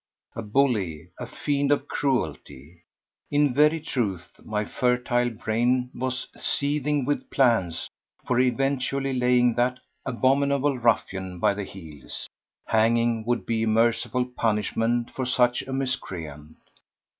A bully, a fiend of cruelty. In very truth my fertile brain was seething with plans for eventually laying that abominable ruffian by the heels: hanging would be a merciful punishment for such a miscreant.